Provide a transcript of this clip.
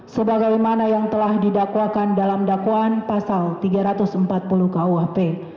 sebagaimana yang telah didakwakan dalam dakwaan pasal tiga ratus empat puluh kuhp